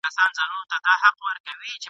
په قفس کي مي زړه شین دی له پردیو پسرلیو ..